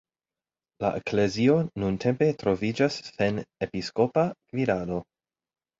La eklezio nuntempe troviĝas sen episkopa gvidado.